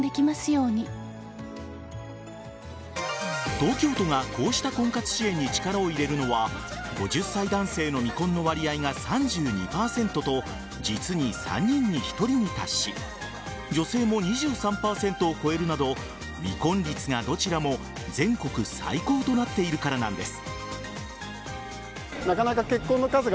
東京都がこうした婚活支援に力を入れるのは５０歳男性の未婚の割合が３２％と実に３人に１人に達し女性も２３％を超えるなど未婚率がどちらも全国最高となっているからなんです。